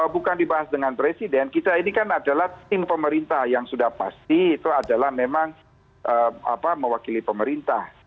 bukan dibahas dengan presiden kita ini kan adalah tim pemerintah yang sudah pasti itu adalah memang mewakili pemerintah